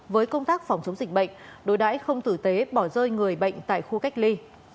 với công tác phòng chống dịch bệnh đối đãi không tử tế bỏ rơi người bệnh tại khu cách ly